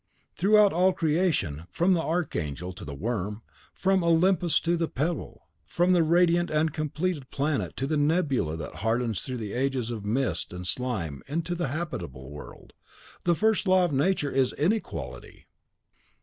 Throughout all creation, from the archangel to the worm, from Olympus to the pebble, from the radiant and completed planet to the nebula that hardens through ages of mist and slime into the habitable world, the first law of Nature is inequality."